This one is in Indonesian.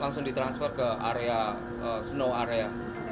langsung ditransfer ke area snow area